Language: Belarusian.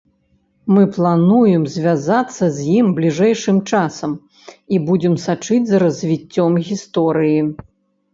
Мы плануем звязацца з ім бліжэйшым часам і будзем сачыць за развіццём гісторыі.